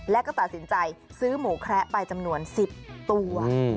และก็ตัดสินใจซื้อหมูแคระไปจำนวน๑๐ตัว